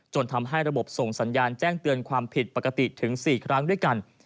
ทำให้ระบบส่งสัญญาณแจ้งเตือนความผิดปกติถึง๔ครั้งด้วยกัน